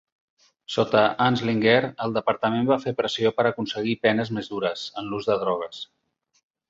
Sota Anslinger, el departament va fer pressió per aconseguir penes més dures en l'ús de drogues.